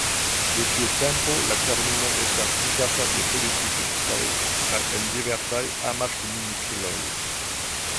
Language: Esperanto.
De tiu tempo la termino estas uzata de politikistoj kaj en diversaj amaskomunikiloj.